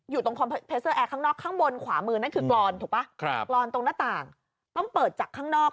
อยู่ตรงข้างนอกข้างบนขวามือนั่นคือกลอนถูกปะครับลอนตรงหน้าต่างต้องเปิดจากข้างนอก